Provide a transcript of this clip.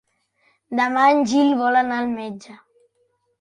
Demà en Gil vol anar al metge.